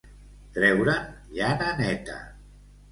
Treure'n llana neta.